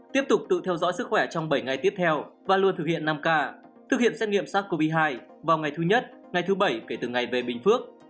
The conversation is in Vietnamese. tiếp tục tự theo dõi sức khỏe trong bảy ngày tiếp theo và luôn thực hiện năm k thực hiện xét nghiệm sars cov hai vào ngày thứ nhất ngày thứ bảy kể từ ngày về bình phước